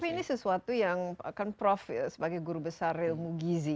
tapi ini sesuatu yang kan prof sebagai guru besar ilmu gizi